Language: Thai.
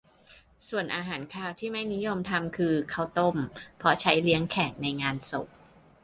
ส่วนอาหารคาวที่ไม่นิยมทำคือ ข้าวต้ม เพราะใช้เลี้ยงแขกในงานศพ